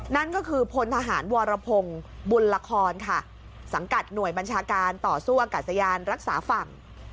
นั่นก็คือพลทหารวรพงศ์บุญละครค่ะสังกัดหน่วยบัญชาการต่อสู้อากาศยานรักษาฝั่ง